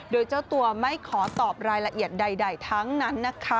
โดยเจ้าตัวไม่ขอตอบรายละเอียดใดทั้งนั้นนะคะ